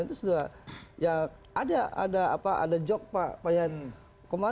itu sudah kemarin dengan dasarnya sudah seperti anggaran